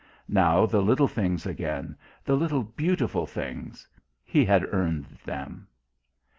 Now the little things again, the little beautiful things he had earned them.